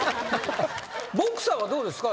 ボクサーはどうですか？